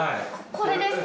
これですか？